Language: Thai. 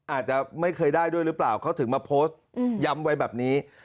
อาจจะไม่เคยได้ด้วยหรือเปล่าเขาถึงมาโพสต์ย้ำไว้แบบนี้